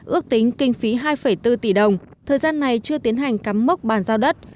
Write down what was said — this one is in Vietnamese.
ước tính kinh phí hai bốn tỷ đồng thời gian này chưa tiến hành cắm mốc bàn giao đất